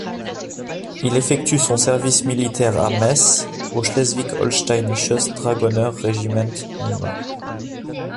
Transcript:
Il effectue son service militaire à Metz au Schleswig-Holsteinisches Dragoner-Regiment Nr.